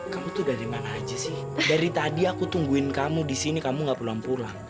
kamu tuh dari mana aja sih dari tadi aku tungguin kamu disini kamu gak pulang pulang